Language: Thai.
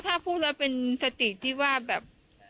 ถ้าพูดแล้วเป็นสติที่ว่าแบบ